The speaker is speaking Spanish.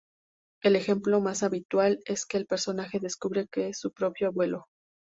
El ejemplo más habitual es que el personaje descubre que es su propio abuelo.